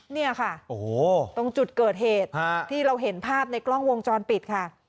เนี่ยค่ะตรงจุดเกิดเหตุที่เราเห็นภาพในกล้องวงจรปิดค่ะ